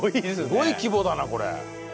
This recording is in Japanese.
すごい規模だなこれ。